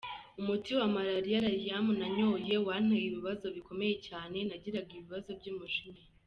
Umuti wa malaria Lariam nanyoye wanteye ibibazo bikomeye cyane, nagiraga ibibazo by’umujinya.